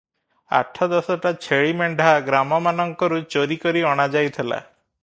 ଆଠ ଦଶଟା ଛେଳି ମେଣ୍ଢା ଗ୍ରାମମାନଙ୍କରୁ ଚୋରି କରି ଅଣାଯାଇଥିଲା ।